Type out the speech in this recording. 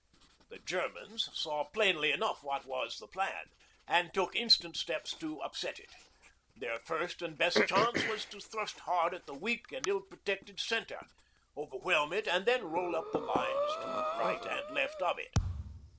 The Germans saw plainly enough what was the plan, and took instant steps to upset it. Their first and best chance was to thrust hard at the weak and ill protected centre, overwhelm it and then roll up the lines to right and left of it.